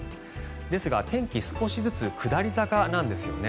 ですが、天気少しずつ下り坂なんですよね。